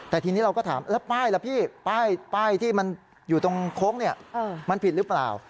แต่ทีนี้เราก็ถามแล้วป้ายล่ะพี่ป้ายที่มันอยู่ตรงโค้งเนี่ยมันผิดหรือเปล่า